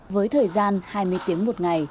với thời gian hai mươi tiếng một ngày